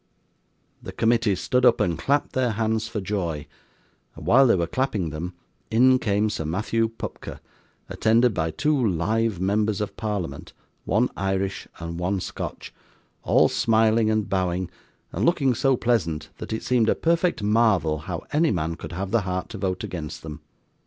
The committee stood up and clapped their hands for joy, and while they were clapping them, in came Sir Matthew Pupker, attended by two live members of Parliament, one Irish and one Scotch, all smiling and bowing, and looking so pleasant that it seemed a perfect marvel how any man could have the heart to vote against them.